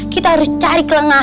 kita harus cari kelangganan